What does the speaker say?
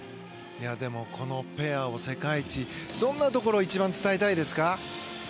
このペアは世界一どんなところ一番伝えたいですか。